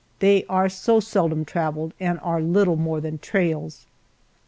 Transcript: They are so seldom traveled, and are little more than trails.